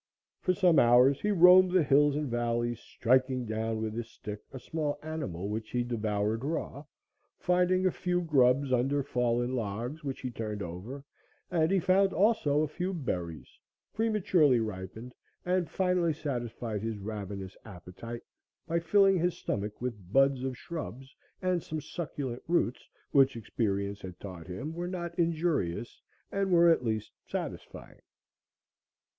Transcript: For some hours he roamed the hills and valleys, striking down with his stick a small animal which he devoured raw; finding a few grubs under fallen logs which he turned over; and he found also a few berries, prematurely ripened, and finally satisfied his ravenous appetite by filling his stomach with buds of shrubs and some succulent roots, which experience had taught him were not injurious and were at least satisfying.